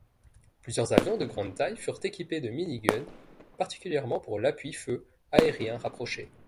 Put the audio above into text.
Plusieurs avions de grande taille furent équipés de miniguns, particulièrement pour l'appui-feu aérien rapproché.